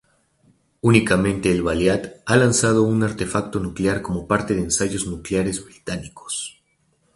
Únicamente el Valiant ha lanzado un artefacto nuclear como parte de ensayos nucleares británicos.